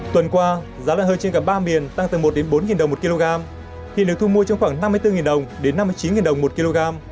tuần qua giá lợn hơi trên cả ba miền tăng từ một bốn đồng một kg thịt được thu mua trong khoảng năm mươi bốn đồng đến năm mươi chín đồng một kg